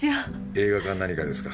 映画か何かですか？